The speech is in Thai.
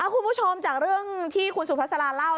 คุณผู้ชมจากเรื่องที่คุณสุภาษาเล่า